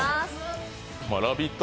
「ラヴィット！」